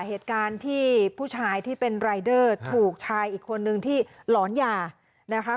เหตุการณ์ที่ผู้ชายที่เป็นรายเดอร์ถูกชายอีกคนนึงที่หลอนยานะคะ